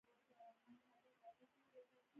دوولس سوه کسان لرم، لومړۍ به د توپچيانو غم وخورو.